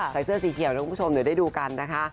ใส่เสื้อสีเขียวให้คุณผู้ชมได้ดูกันนะคะ